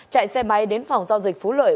chạy xe máy đến phòng giao dịch phú lợi